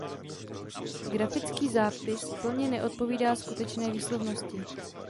Grafický zápis plně neodpovídá skutečné výslovnosti.